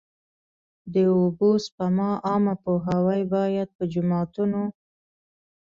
د اوبو سپما عامه پوهاوی باید په جوماتونو.